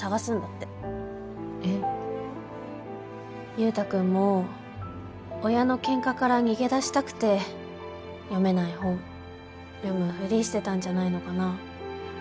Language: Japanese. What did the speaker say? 優太くんも親の喧嘩から逃げ出したくて読めない本読むふりしてたんじゃないのかな。